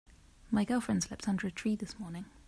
My girlfriend slept under a tree this morning.